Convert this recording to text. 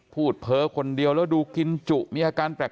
พูดเผ้าคนเดียวแล้วดูกินจุนิยาการแปลก